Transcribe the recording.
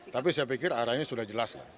tapi saya pikir arahnya sudah jelas lah